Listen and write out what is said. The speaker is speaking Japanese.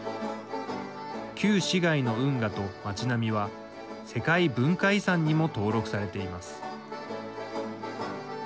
旧市街の運河と街並は世界文化遺産にも登録されています。